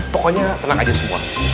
pokoknya tenang aja semua